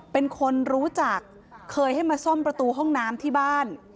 เป็นคนรู้จักเคยให้มาซ่อมประตูห้องน้ำที่บ้าน